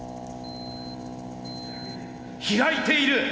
開いている！